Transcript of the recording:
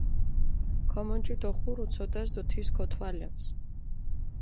ქომონჯი დოღურუ ცოდას დო თის ქოთვალჷნს.